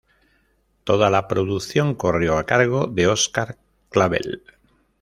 Toda la producción corrió a cargo de Óscar Clavel.